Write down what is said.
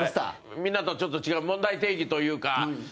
みんなと、ちょっと違う問題定義というか。